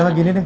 agak gini deh